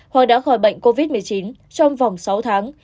họ đã khỏi bệnh covid một mươi chín trong vòng sáu tháng